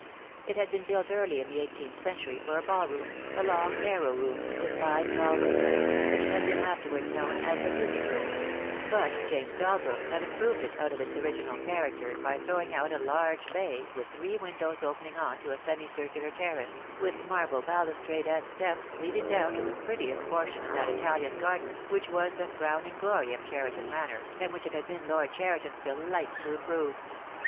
It had been built early in the eighteenth century for a ballroom, a long narrow room, with five tall win dows, and it had been afterwards known as the music room; but James Dalbrook had improved it out of its original character by throwing out a large bay, with three windows opening on to a semicircular terrace, with marble balustrade and steps leading down to the prettiest portion of that Italian garden which was the crowning glory of Cheriton Manor, and which it had been Lord Cheriton's delight to improve.